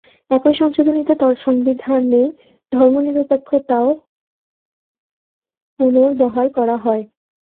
একই সংশোধনীতে সংবিধানে ধর্মনিরপেক্ষতাও পুনর্বহাল করা হয়।